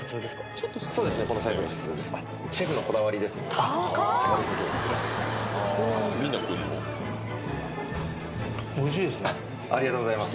ありがとうございます。